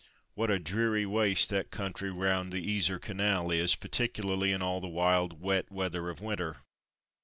What a dreary waste that country round the Yser Canal is, particularly in all the wild, wet weather of winter.